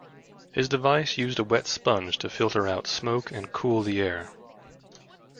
His device used a wet sponge to filter out smoke and cool the air.